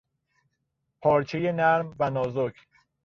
پارچهی نرم و نازک